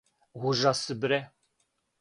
Ужас бре!